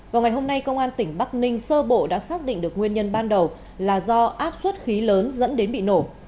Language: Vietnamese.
vào ngày hôm nay công an tỉnh bắc ninh sơ bộ đã xác định được nguyên nhân ban đầu là do áp suất khí lớn dẫn đến bị nổ